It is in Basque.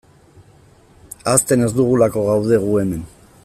Ahazten ez dugulako gaude gu hemen.